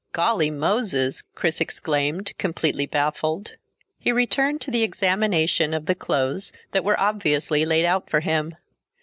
"Golly Moses!" Chris exclaimed, completely baffled. He returned to the examination of the clothes that were obviously laid out for him.